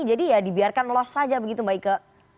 jadi ya dibiarkan loss saja begitu mbak ika